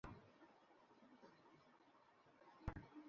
ফলে ঢাকাকে দুই ভাগে ভাগ করার একটি বাস্তবতা তৈরি হয়েছে বইকি।